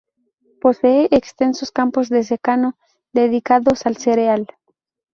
Posee extensos campos de secano dedicados al cereal.